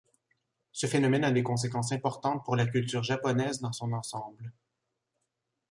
Ce phénomène a des conséquences importantes pour la culture japonaise dans son ensemble.